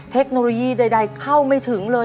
เทคโนโลยีใดเข้าไม่ถึงเลย